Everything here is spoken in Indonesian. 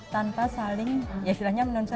tanpa saling ya istilahnya menunjukkan